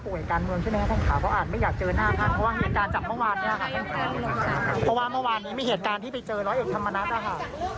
เพราะว่าเมื่อวานนี้มีเหตุการณ์ที่ไปเจอร้อยเอ็กซ์ธรรมนัสนะฮะ